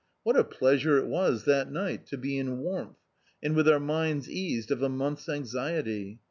What a pleasure it was that ni^t to be in warmth, and with our minds eased of a month's anxiety.